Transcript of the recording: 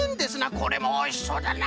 これもおいしそうだな！